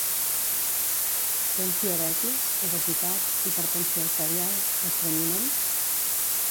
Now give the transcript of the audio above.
Tens diabetis, obesitat, hipertensió arterial, restrenyiment?